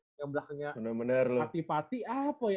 yang belakangnya fatih fatih apa ya